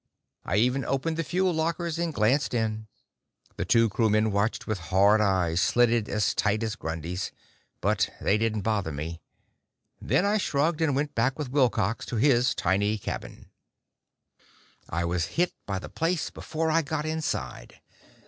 I even opened the fuel lockers and glanced in. The two crewmen watched with hard eyes, slitted as tight as Grundy's, but they didn't bother me. Then I shrugged, and went back with Wilcox to his tiny cabin. I was hit by the place before I got inside.